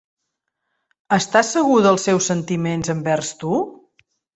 Estàs segur dels seus sentiments envers tu?